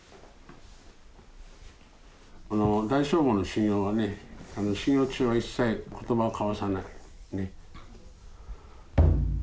この大聖坊の修行はね修行中は一切言葉を交わさないねっ。